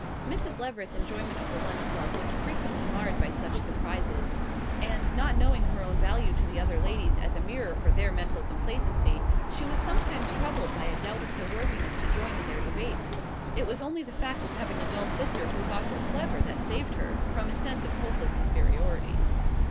Mrs. Leveret's enjoyment of the Lunch Club was frequently marred by such surprises; and not knowing her own value to the other ladies as a mirror for their mental complacency she was sometimes troubled by a doubt of her worthiness to join in their debates. It was only the fact of having a dull sister who thought her clever that saved her, from a sense of hopeless inferiority.